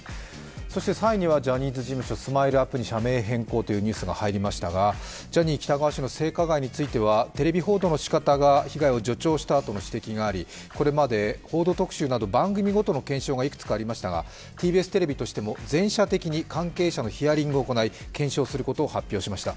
そして３位にはジャニーズ事務所ＳＭＩＬＥ−ＵＰ．に社名変更というニュースが入りましたがジャニー喜多川氏の性加害についてはテレビ報道のしかたが被害を助長したとの指摘がありこれまで、「報道特集」などで番組ごとの検証がいくつかありましたがＴＢＳテレビとしても全社的に関係者のヒアリングを行い、検証することを発表しました。